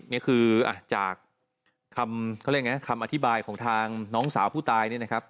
นี่คือจากคำอธิบายของทางน้องสาวผู้ตายนี่นะครับ